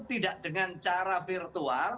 tidak dengan cara virtual